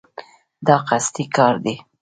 دا قصدي کار دی.